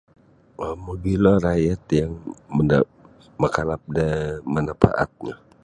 um Magilo ra'yat yang menda makalap da manafaatnyo.